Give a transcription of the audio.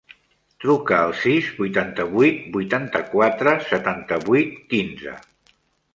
Truca al sis, vuitanta-vuit, vuitanta-quatre, setanta-vuit, quinze.